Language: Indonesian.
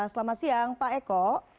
selamat siang pak eko